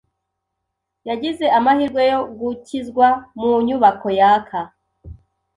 Yagize amahirwe yo gukizwa mu nyubako yaka.